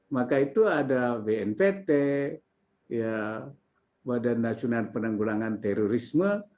maka itu ada bnpt badan nasional penanggulangan terorisme